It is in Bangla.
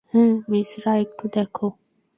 মিশ্রা, একটু দেখো।